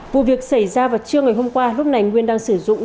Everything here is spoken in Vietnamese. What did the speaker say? vụ việc xảy ra vào trưa ngày hôm qua lúc này nguyên đang sử dụng